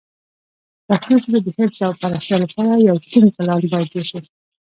د پښتو ژبې د حفظ او پراختیا لپاره یو ټینګ پلان باید جوړ شي.